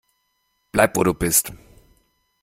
Bleib, wo du bist!